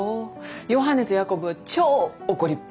ヨハネとヤコブは超怒りっぽい。